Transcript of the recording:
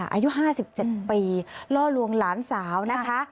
อายุห้าสิบเจ็ดปีล่อลวงหลานสาวนะคะ